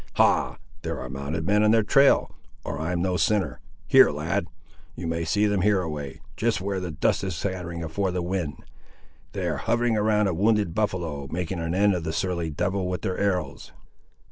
Ha! there are mounted men on their trail, or I'm no sinner! here, lad; you may see them here away, just where the dust is scattering afore the wind. They are hovering around a wounded buffaloe, making an end of the surly devil with their arrows!"